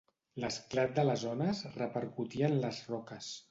L'esclat de les ones repercutia en les roques.